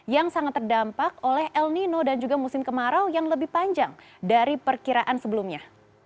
yang sangat terdampak oleh el nino dan juga musim kemarau yang lebih panjang dari perkiraan sebelumnya